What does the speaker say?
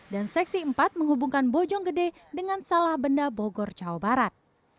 seksi empat menghubungkan bojonggede dengan salah benda bogor jawa barat